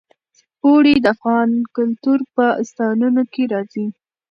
اوړي د افغان کلتور په داستانونو کې راځي.